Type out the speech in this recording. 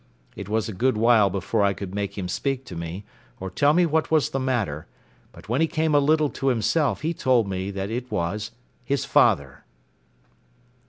It was a good while before I could make him speak to me or tell me what was the matter; but when he came a little to himself he told me that it was his father.